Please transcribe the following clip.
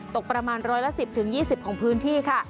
ตกประมาณ๑๑๐๒๐ของพื้นที่ค่ะ